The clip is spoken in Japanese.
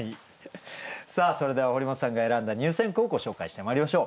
さあそれでは堀本さんが選んだ入選句をご紹介してまいりましょう。